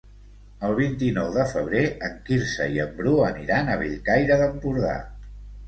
El vint-i-nou de febrer en Quirze i en Bru aniran a Bellcaire d'Empordà.